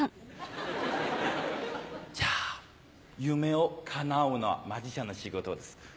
じゃ夢をかなうのはマジシャンの仕事です。